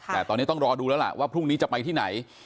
แต่ตอนนี้ต้องรอดูแล้วล่ะว่าพรุ่งนี้จะไปที่ไหน